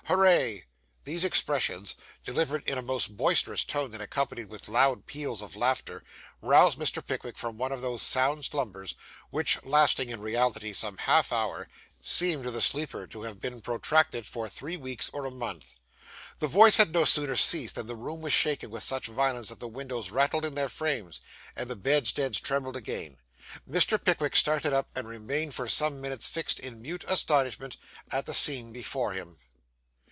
Hooray!' These expressions, delivered in a most boisterous tone, and accompanied with loud peals of laughter, roused Mr. Pickwick from one of those sound slumbers which, lasting in reality some half hour, seem to the sleeper to have been protracted for three weeks or a month. The voice had no sooner ceased than the room was shaken with such violence that the windows rattled in their frames, and the bedsteads trembled again. Mr. Pickwick started up, and remained for some minutes fixed in mute astonishment at the scene before him.